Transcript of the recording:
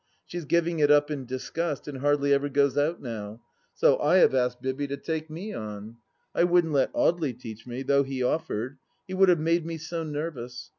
She is giving it up in disgust and hardly ever goes out now, so I have asked Bibby to take me on. I wouldn't let Audely teach me, though he offered : he would have made me so nervous.